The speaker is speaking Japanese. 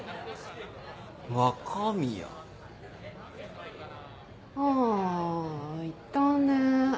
若宮？ああいたね。